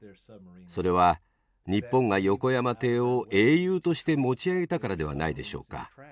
それは日本が横山艇を英雄として持ち上げたからではないでしょうか。